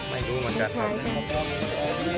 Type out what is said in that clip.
ไม่รู้เหมือนกันครับ